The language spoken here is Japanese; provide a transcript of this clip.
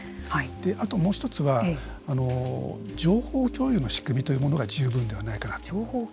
あと、もう一つは情報共有の仕組みというものが十分ではないかなと。